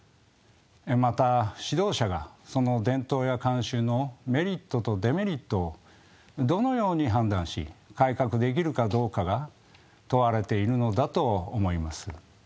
また指導者がその伝統や慣習のメリットとデメリットをどのように判断し改革できるかどうかが問われているのだと思います。